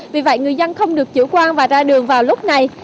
vì vậy người dân không được chủ quan và ra đường vào lúc này